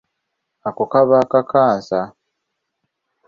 Ako kaba kakansa.